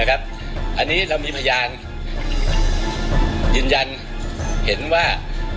อันนี้เรามีพยานยืนยันเห็นว่า